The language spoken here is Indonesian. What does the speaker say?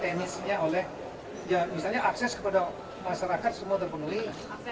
teknisnya oleh ya misalnya akses kepada masyarakat semua terpenuhi